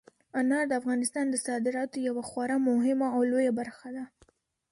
انار د افغانستان د صادراتو یوه خورا مهمه او لویه برخه ده.